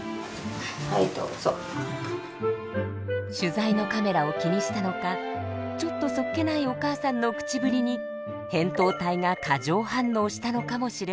取材のカメラを気にしたのかちょっとそっけないお母さんの口ぶりにへんとう体が過剰反応したのかもしれません。